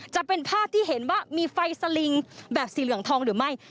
จะเป็นภาพที่เห็นว่ามีไฟสลิงแบบสีเหลืองทองหรือไม่